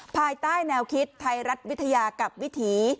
ภายใต้แนวคิดไทยรัฐวิทยากับวิถี